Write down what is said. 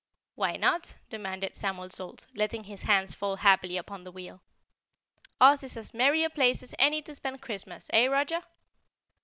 "Why not?" demanded Samuel Salt, letting his hands fall happily upon the wheel. "Oz is as merry a place as any to spend Christmas, eh, Roger?"